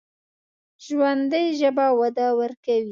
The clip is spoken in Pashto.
ژوندي ژبه وده ورکوي